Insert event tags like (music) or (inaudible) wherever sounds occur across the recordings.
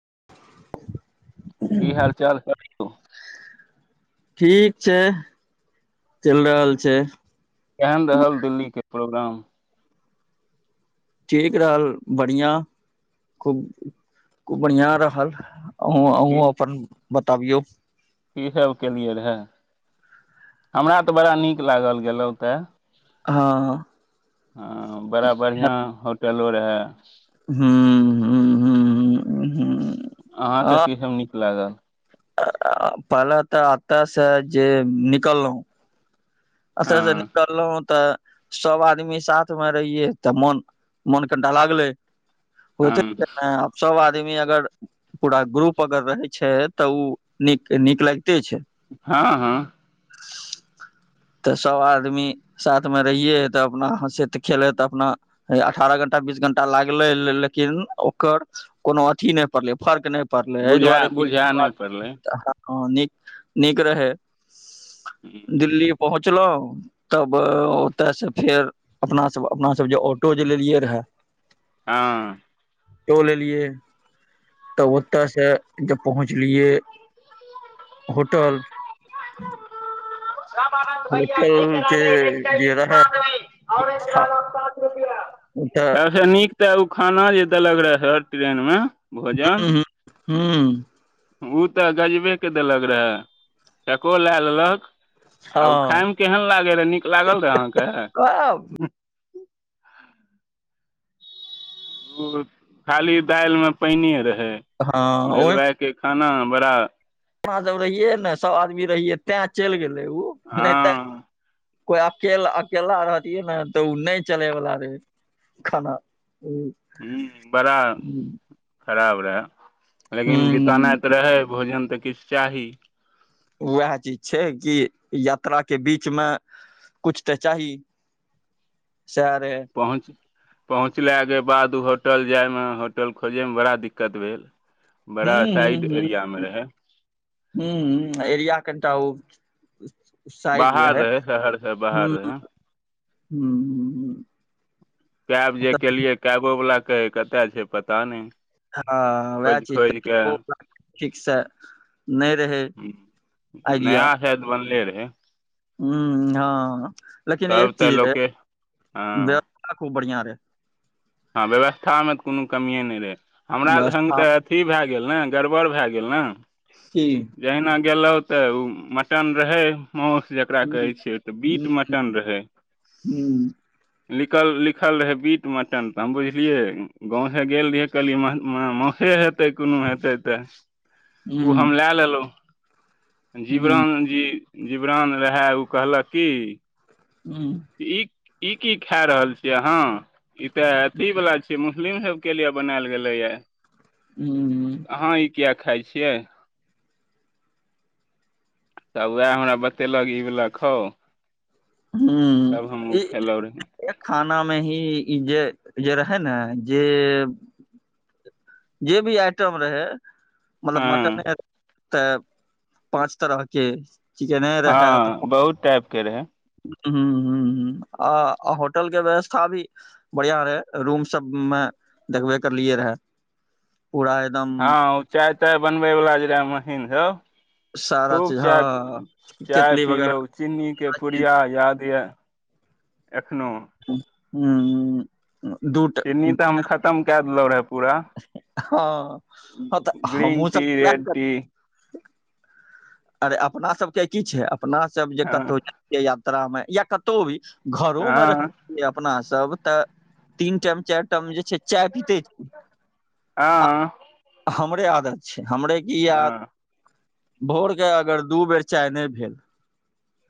(unintelligible) की हाल चाल छै। ठीक छै चलि रहल छै। केहन रहल दिल्ली के प्रोग्राम। ठीक रहल बढ़िआं खूब खूब बढ़िआं रहल। ओ अपन। बताबियौ। ईसभ केलियै रहए हमरा तऽ बड़ा नीक लागल गेलहुँ तऽ। हँ। ह बड़ा बढ़िआ हो। पलो रहै। हँ हँ। अहाँके किछ नीक लागल। पहले तऽ अत से जे निकललहु। अस हँ से निकललहु तऽ। सब आदमी साथमे रहियै तऽ मन मोन कनिटा लागलै। ओ त हँ अ सब आ। आदमी अगर पूरा ग्रुप अगर रहे छै तऽ ओ नीक नीक लगते छै। हँ हँ। तऽ सब आदमी साथमे रहिे ह तऽ अपना ह से खेल त अपना अठारह घंटा बीस घंटा लागले लेकिन ओकर कोनो अथी नहि पड़लै फर्क नहि। पड़लै एहि बुझा दुआरे की। बुझा नहि पड़लै ह नीक नीक रहै। हूँ, दिल्ली। पहुँचलहुँं तब ओतयसँ फेर अपना सब अपना सब जे ऑटो जे लेलियै रहे। हँ तौल एलियै तब ओतयसँ जब पहुँचलियै होटल। रामानन्द भैया नहि होटल करओ। के जे रहै तऽ तस नीक। ते उ खाना जे देलक रहे ह ट्रेन में। ह ह। हू। ओ तऽ गजबे के देलक रहे को लए लेलक। आ ओ हँ खाायमे केहन लागै रहए नीक लागल रहए अहाँके। (inaudible) ओ खाली दालि मे पैनी रहे। हँ ओहि रेलवा के खाना। बरा अपना जब रहियै ने सभ आदमी रहियै तैं चलि गेलहुँ। उ नहि तऽ हँ कोइ अकेल अकेला रहतियै ने तऽ ओ नहि चलैवला रहे हाँ। ह बड़ा। खराब रहय। लेकिन बितानाइ त रहय भोजन। त किछु चाही। वैह चीज छै कि यात्रा के बीचमे कुछ त चाही। सेह रहै। पहुँचला के बाद होटल जायमे होटल खोजै मे बड़ा दिक्कत भेल। बड़ा साइड एरिया मे रहै। हुं उं एरिया एकटा ओ। साइड बाहर रहै शहर से बाहर रहै। हुं उं कैब जे केलियै कैबो वला कहै कतय छै पता नहि। हँ वैह खोजि चीज खोजि के कऽ ओकर ठीक से नहि रहै आइडिया। हे हुं उं हँ लेकिन तब एक तऽ चीज रहै लोके व्यवस्था खुब बढ़ियां हे हं व्यवस्था मे कोनो कमिए नहि रहै। हमरा‌ संग व्यवस्था तऽ अथी भए गेल ने गड़बड़ भए गेल ने की जहिना गेलौं त ओ मटन रहै। मौस जकरा हुँ कहै छियै त हुँ बीट मटन रहै। हुँ लिखल लिखल रहै बीट म टन हम बुझलियै गाँव से गेल रहिये कहलियै म मौसे हेतै। ते कोनो हेतै ते ओ हम हुँ लए लेलहुँ। हुँ जीवरान जी जिवरान रहै ओ कहलक कि हुं इ की खाय रहल छियै अहाँ, इ ते अथी वाला छियै मुस्लिम सब के लिए बनायल गेलैये। ह्म्म। खाय छियै। त उहाए हमरा बतेलक इ बला खाउ। ह्म्म तब हमहूँ ई खेलहुँ रहे एक खाना मे ही इ इ जे जे रहय ने जे जे भी आइटम रहै। मतलब हँ मटन ते पाँच तरहके हँ बहुत टाइप के रहै। हूं हूं हूं आ होटल के व्यवस्था भी बढ़िया रहे, रूम सब मे देखबे करलियए रहे। पूरा एकदम हँ ओ चाय बनबे वाला जे रहे मशीन सब सारा खूब चीज चाय हँ चाय केतली वगैरह पीलों चिनीके पुड़िया याद ये। नओ हूँ हूँ। चिन्नी तऽ हम खतम कए देलहु रहे। पूरा हां, हां तऽ ग्रीन हमु टी सब वाएह नै रेड टी कहलिये। अरे अपना सबके की छै। अपना सब जे हँ कतउ जेतियै। तराव मे या कतहु भी घरो मे हँ रहल छिये अपना सब। तऽ तीन टाइम चारि टाइम जे छैय चाय पीतै। हाँ से आदत छैय। हमरे की याद (unintelligible) के अगर दू बेर चाय नै भेल।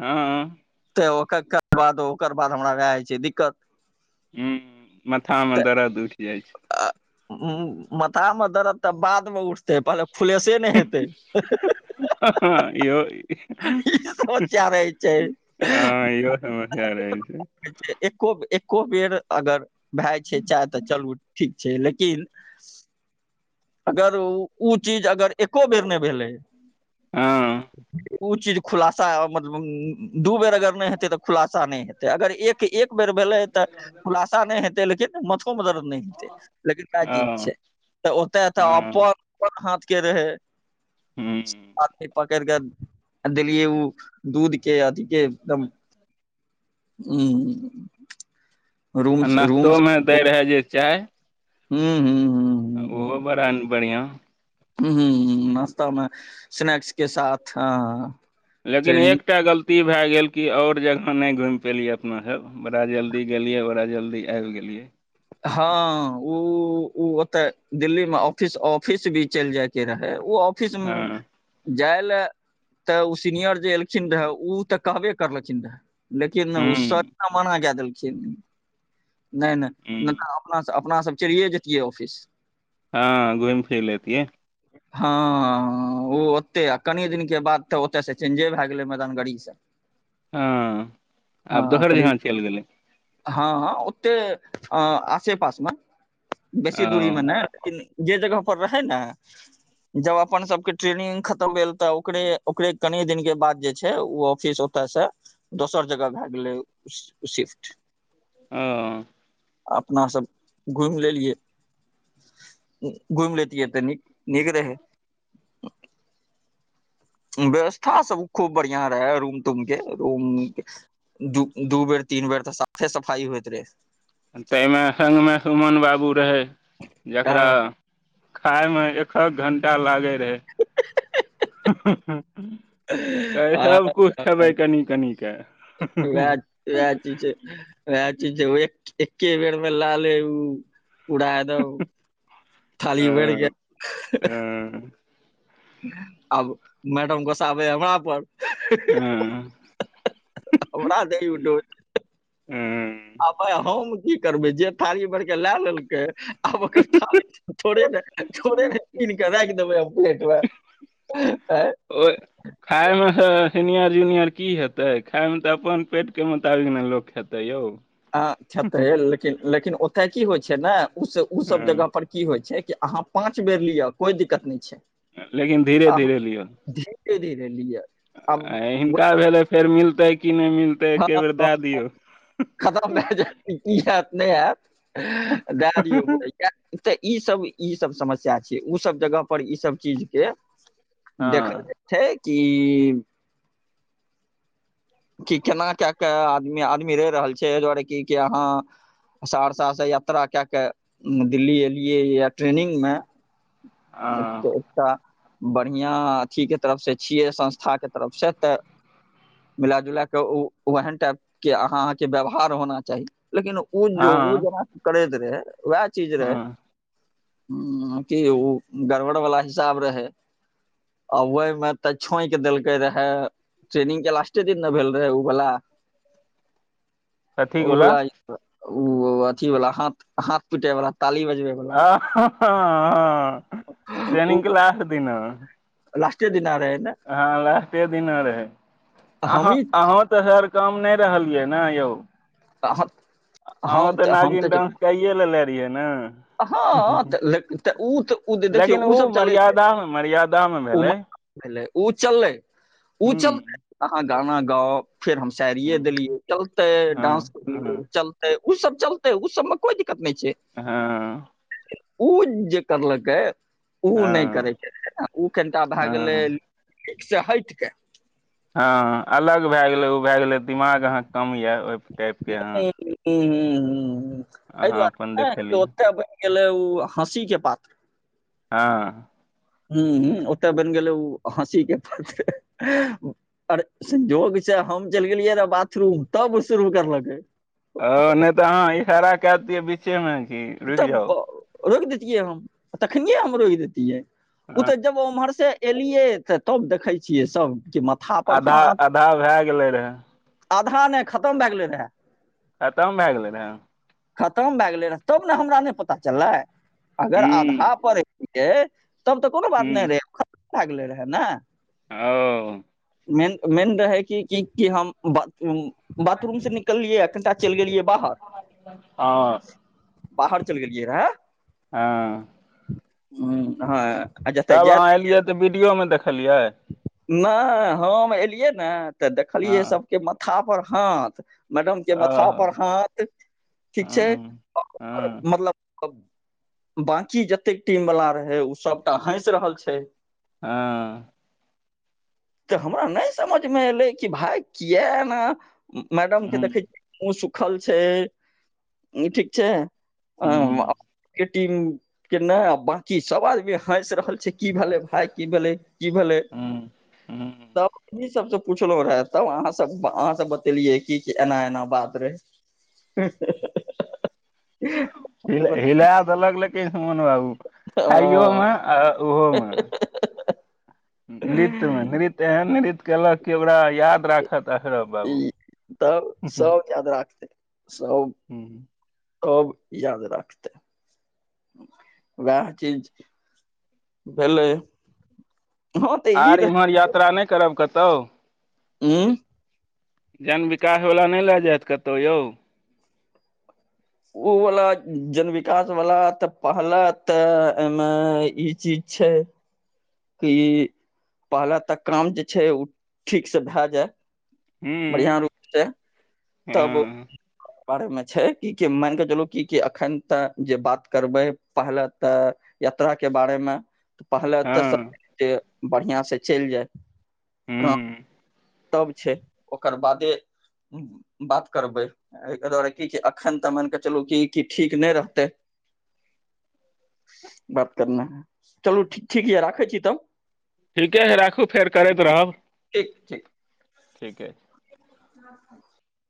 हाँ कै ओकर कहे बादो ओकर बाद हमरा भाए जाय छै दिक्कत। हूँ माथामे दरद उठि जाय छैय। उं उं माथा मे दरद तऽ बाद मे उठतै मतलब फुलेसे ने हेतै हं हं ह हँ इहो हेऽअ हीं हीं हां होशियार होय छैय हँ इहो समस्या रहै छै हेऽअ एको एक ओ बेर अगर भाय छै चाय तऽ चलू ठीक। छै लेकिन अगर उ उ चीज अगर एको बेर नहि भेलै। ह हँ उ चीज खुलासा है, मतलब उम्म दू बेर अगर ने हेैते ते खुलासा ने हे ते अगर एक के एक बेर भेलै ते खुलासा ने हेतै, लेकिन ए मथ तो मदद ने हैतै, लेकिन वाएह चीज हँ छै त ओ तऽ हँ अपन प हाथ के रहै। आ तै पर केरके देलियै उ दूध के अथी के एकदम हम्म। आ नाश्तो मे दैय रहै जे चाय ह्म्म-ह्म्म-ह्म्म। आ उहो बड़ा बढ़ियाँ। हम्म-हम्म-ह्म्म नाश्तामे स्नैक्स के साथ हाँ-हाँ-हाँ। लेकिन एकटा गल ती भाय गेल की और जगह नै घुम पेलियै अपना सब, बड़ा जल्दी गेलियै, बड़ा जल्दी आब गेलियै। हाँ उ, उ ओता दिल्ली में ऑफिस, ऑफिस भी चैल जाय के रहे। उ ऑफिस उम्म हँ जाय लय ते उ सीनियर जे एलखिन रहै उ ते कहबे करलखिन रहै। लेकिन ने उ सर हूँ ना मना काय देलके। खिन नै-नै। हूँ नै ते अपना से अप अपना सब चलिये जेैतियै ऑफिस। हाँ घुम फिर लेतीये। हाँ उ ओते आ कनि दिनके बाद ते ओता से चेंजे भाय गेलै मैदान गड़ी से। हाँ आब दोसर जगह चैल गेलै। हाँ-हाँ ओते अ आसेपास मे बेसी दूरी मे हँ ने इन जे जगह पर रहै ने जब अपन सबके ट्रेनिंग खतम भेल ते ओकरे ओकरे कनि दिनके बाद जे छै उ ऑफिस ओता से दोसर जगह भाय गेलै शी शिफ्ट। औ अपना सब घुम लेलियै, उम्म घुम लैतियै ते नीक नीक रहै। व्यवस्था सब खूब बढ़िया रहे रूम तूम के, रूम दू दू बेर तीन बेर ते साफे सफाई होयत रहे। ताहिमे संगमे सुमन बाबू रहै। आ जकरा खायमे एकहख घंटा लागे रहे। सब हां कुछ हां खेबै कनि कनि के वेह वेह चीज छै वेह चीज छै वैट। एके बेरमे लागले उ उड़ै दौक थाली भरके आब मैडम गोस्साबै हे वहां पर। (unintelligible) हमरा नै उठो छै, आबै हम की करबै जे थारी भरके लै लेलकै। आब ओकर थाली थोड़े ने थोड़े ने छीन के राएख देबै आब प्लेटमे ए। ओइ खायमे सँ सीनियर जुनियर की हेतै खाइमे तऽ अपन पेटके मोताबिक ने लोक खेतै यौ। हां खेतै लेकिन लेकिन ओतय की होइ छै नै उ से उ सब हँ जगह पर की होइ छै। की अहाँ पाँच बेर लिया कोई दिक्कत नै छै। लेकिन धीरे धीरे लिहा। लेलीया। अ हिनका भेले फेर मिलतै की नै मिलतै एके बेर हँ, दए दियौ। नै हैत। दए दियौ। तऽ ई सब ई सब समस्या छै ओ सब जगह पर ई सब चीज के हँ देखय के छै। की कि केना कए कऽ आदमी आदमी रह रहल छै ए दुआरे कि कि अहाँ सहरसा से यात्रा कए कऽ दिल्ली एलियै ए ट्रेनिंग मे एक हँ तऽ एकटा बढ़िया अथीके तरफ से छियै संस्थाके तरफ से तऽ मिला जुला कऽ उ ओहन टाइप के अहाँ अहाँ के व्यवहार होना चाही। लेकिन ओ जो हँ ओ जना करैत तै। वैह चीज रहै। हँ हुं की ओ ओ गड़बड़ वाला हिसाब रहे आ ओयमे त छोंक देलकै रहे ट्रेनिंग के लास्टे दिन ने भेल रहे उ वला कथी उ बोला बला। ओ अथीवला हाथ हाथ पीटैवला। आ हँ हँ हँ उ ट्रेनिंगके लास्ट दिना। लास्टे दिना रहे ने हां लास्टे दिना रहै। अहाँ हमही अहुं त हेर कम नहि रहलियै ने यौ। त हम अहुं त तऽ हम नागिन तऽ डांस कैये लेलैथ। लेलियै ने। हँ त ल उ त उ देखियौ लेकिन ओ सब चलै छै, मर्यादा मे मर्यादा मे ओ भेलै भेलै, ऊ चललै उ हूँ चललै अहाँ गाना गाउ फेर हम सायरिये हँ देलियै चलतै हँ डांस करलियै हँ चलतै उ सब चलतै, उसब मे कोइ दिक् हां। उ जे करलकै। उ नहि करैके उ कनिटा भए गेलै हँ ठीक से हइट के हां अलग भए गेलै ओ भए गेलै दिमाग अहांके कम ये ओहि टाइपके अहाँ हुं उं। अहि अहाँ अपन दुआरे कि देखेलियै ओकर हेलो, हँसी के पात्र हां। हुं ओत बनि गेलै ओ हँसी के पात्र पर संजोग से हम चलि गेलियै रहियै बाथरूम तब ओ शुरू करलकै। हां नहि त अहाँ इशारा कए दैतियै बीच्चेमे। हे रुकि तब जाउ। रोकि देैतियै हम आ तखनिये हम रोकि देैतियै। उतऽ जब उम्हर से एलियै तऽ तब देखै छियै सब। के माथा पर हाथ आधा-आधा भए गेलै रहए। आधा नहि खतम भए गेलै रहए। खतम भए गेलै रहे। खतम भए गेलै रह। तब ने हमरा नहि पता चललै। अगर आधा पर डे तब तऽ कोनो बात नै रहे ख लागलै रहे नै। औ मेन मेन रहै कि की हम ब उम्म बाथरूम से निकलियै चैल गेलियै बाहर हँ बाहर चल गेलियै रहे। हां। हुं हां। तब अहाँ एलियै तऽ वीडियो मे देखलियै। नै हम एलियै नै ते हँ देखलियै सब के मथा पर हां त मैडम के ओ मथा पर हूँ हाथ, ठीक छै? हां। अ बाकी जतेक टीम वला रहै उ सबटा हैस रहल छै। हां। तऽ हमरा नै समझमे एलै कि भाय किया एना मैडम के देखै मुंह सुक खल छै ई ठीक छै। हूँ (unintelligible) किट टीम के नै बाकी सब आदमी हँस रहल छै की भेले भाय की भेले। की भेलै हूँ हूँ तब ई सबसे पुछलौ रहै तब अहाँ सब अहाँ सब बतेलियै की एना एना बात रहै। हिल हिलै देलक लेक अमन बाबू खाइयो मे आ उहो मे नृत्य मे नृत्य एहन नृत्य केलक कि ओकरा याद राखत अशरफ बाबू ई तब हम्म, सब याद राखते। सब। हम्म। अब याद राखतै वैह चीज भेलै। हँ तऽ ई आर इम्हर यात्रा नै करब कत तो। उम्म जन विकासवला नहि लए जायत कतौ यौ ओवला जन विकासवला तऽ पहले तऽ एई मे ई चीज छै। ई पहले तऽ काम जे छै उ ठीकसे भए जाय। बढ़ियाँ रुकतै। अंऽ। बारेमे छै कि कि माइन कऽ चलू कि कि एखन तऽ जे बात करबै पहले तऽ यात्रा के बारेमे पहले तऽ हँ सब जे बढ़िआँसे चलि जाय कं। हूँ तब छै ओकर बादे बात करबै एहिका दुआरे की जे एखन तऽ माइन कऽ चलू कि ठीक नहि रहतै बात करनाय। चलू ठीक यै राखै छी तब ठीके अइ राखू फेर करैत रहब। ठीक ठीक। ठीके। (unintelligible)